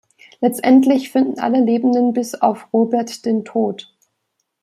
Letztendlich finden alle Lebenden bis auf Robert den Tod.